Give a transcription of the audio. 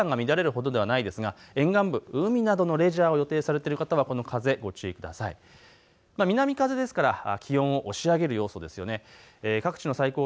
平均で１０メートル以上、交通機関が乱れるほどではないですが沿岸部、海などのレジャーを予定されている方は風にご注意ください。